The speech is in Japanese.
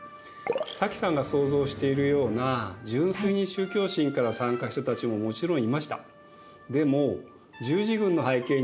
早紀さんが想像しているような純粋に宗教心から参加した人たちももちろんいました。